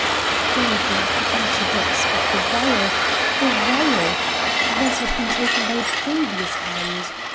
"Dorothy had the empty box; but the vial! the vial! that had been taken by a previous hand.